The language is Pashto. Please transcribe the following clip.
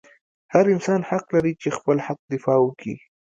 هر انسان حق لري چې خپل حق دفاع وکي